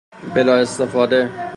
بلااستفاده